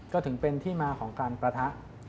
ก็ถึงเป็นที่มาของการปะทะ